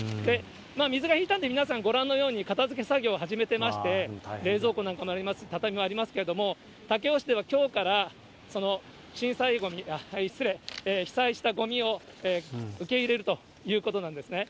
水が引いたんで皆さん、ご覧のように片づけ作業を始めてまして、冷蔵庫なんかもあります、畳もありますけれども、武雄市ではきょうから、被災したごみを受け入れるということなんですね。